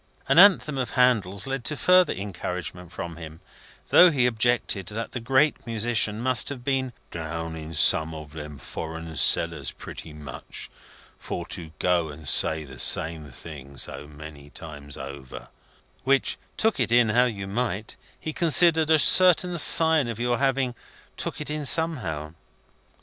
An anthem of Handel's led to further encouragement from him: though he objected that that great musician must have been down in some of them foreign cellars pretty much, for to go and say the same thing so many times over; which, took it in how you might, he considered a certain sign of your having took it in somehow.